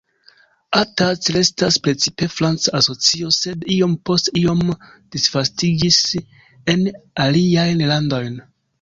Attac restas precipe franca asocio sed iom post iom disvastiĝis en aliajn landojn.